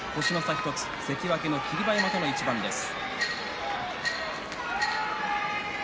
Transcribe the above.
１つ関脇霧馬山との一番です。